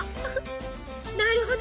なるほど。